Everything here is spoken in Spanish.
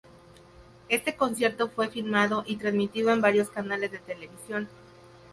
Este concierto fue filmado y trasmitido en varios canales de televisión.